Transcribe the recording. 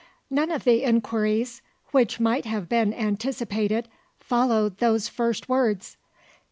None of the inquiries which might have been anticipated followed those first words.